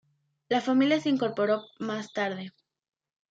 La familia se incorporó más tarde.